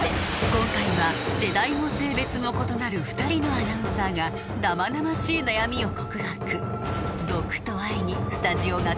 今回は世代も性別も異なる２人のアナウンサーが生々しい悩みを告白毒と愛にスタジオが包まれます